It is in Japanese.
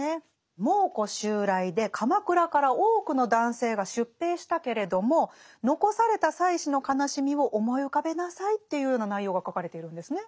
蒙古襲来で鎌倉から多くの男性が出兵したけれども残された妻子の悲しみを思い浮かべなさいというような内容が書かれているんですね。